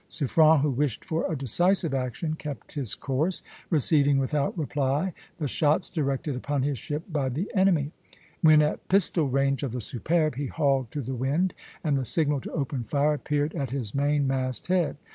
Suffren, who wished for a decisive action, kept his course, receiving without reply the shots directed upon his ship by the enemy. When at pistol range of the 'Superbe,' he hauled to the wind (B), and the signal to open fire appeared at his mainmast head.